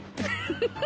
フフフフ！